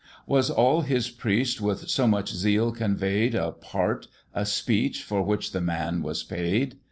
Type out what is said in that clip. Was all his priest with so much zeal convey'd A part! a speech! for which the man was paid!